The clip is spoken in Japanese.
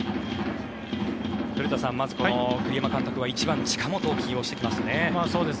古田さん、まずこの栗山監督は１番に近本を起用してきましたね。